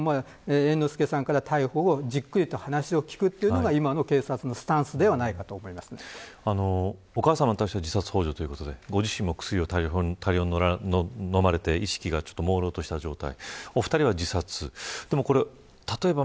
この案件についても猿之助さんから逮捕後にじっくりと話を聞くというのが今の警察のスタンスではないかとお母さまに対しては自殺ほう助で、ご自身も薬を大量に飲まれて意識がもうろうとした状態。